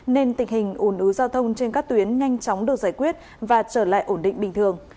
nên tình hình ủn ứ giao thông trên các tuyến nhanh chóng được giải quyết và trở lại ổn định bình thường